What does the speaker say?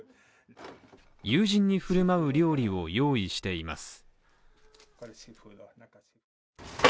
友人に振る舞う料理を用意しています。